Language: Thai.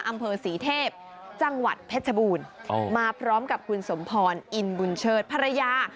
อำเภอศรีเทพจังหวัดเพชรบูรณ์มาพร้อมกับคุณสมพรอินบุญเชิดภรรยา